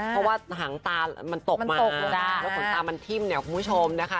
เพราะว่าหางตามันตกมาตกแล้วขนตามันทิ่มเนี่ยคุณผู้ชมนะคะ